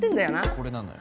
これなのよ。